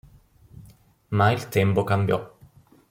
Ma il tempo cambiò.